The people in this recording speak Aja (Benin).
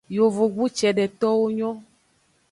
Yovogbu ce:detowo nyon.